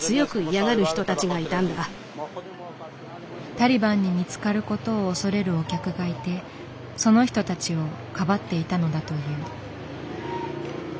タリバンに見つかることを恐れるお客がいてその人たちをかばっていたのだという。